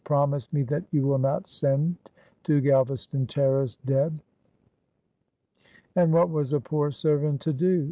Promise me that you will not send to Galvaston Terrace, Deb;' and what was a poor servant to do?